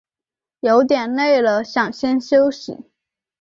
有点累了想先休息